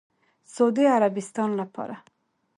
سعودي عربستان لپاره